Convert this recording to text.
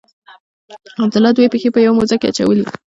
عبدالله دوې پښې په یوه موزه کې اچولي.